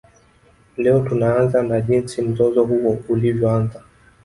Leo tunaanza na jinsi mzozo huo ulivyoanza